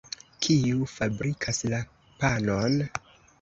Kiu fabrikas la panon?